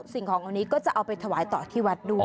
สิ่งของเหล่านี้ก็จะเอาไปถวายต่อที่วัดด้วย